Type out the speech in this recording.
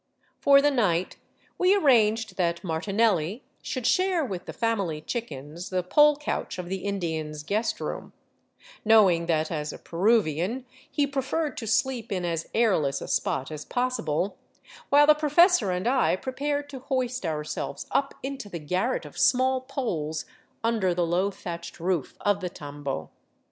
For the night we arranged that Martinelli should share with the fam ily chickens the pole couch of the Indian's " guest room," knowing that, as a Peruvian, he preferred to sleep in as airless a spot as possi ble, while the professor and I prepared to hoist ourselves up into the garret of small poles under the low thatched roof of the tambo.